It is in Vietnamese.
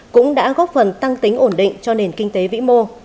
cũng đã góp phần tăng tính ổn định cho nền kinh tế vĩ mô